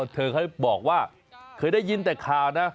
เธอเขาบอกว่าเคยได้ยินแต่ข่าวนะ